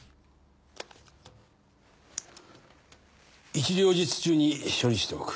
一両日中に処理しておく。